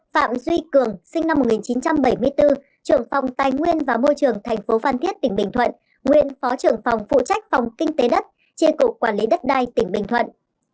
sáu phạm duy cường sinh năm một nghìn chín trăm bảy mươi bốn trưởng phòng tài nguyên và môi trường tp phan thiết tỉnh bình thuận nguyên phó trưởng phòng phụ trách phòng kinh tế đất tri cục quản lý đất đai tỉnh bình thuận